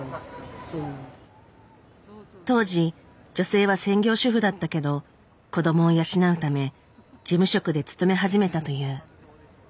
当時女性は専業主婦だったけど子どもを養うため事務職で勤め始めたという。